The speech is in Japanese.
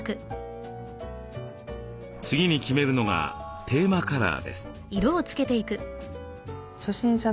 次に決めるのがテーマカラーです。